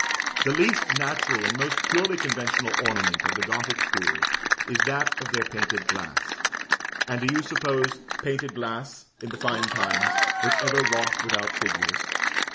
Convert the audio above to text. The least natural and most purely conventional ornament of the Gothic schools is that of their painted glass; and do you suppose painted glass, in the fine times, was ever wrought without figures?